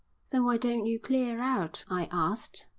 "Then why don't you clear out?" I asked.